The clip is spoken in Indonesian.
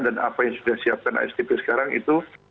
dan apa yang sudah disiapkan astp sekarang itu